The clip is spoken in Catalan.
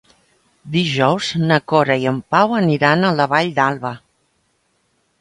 Dijous na Cora i en Pau aniran a la Vall d'Alba.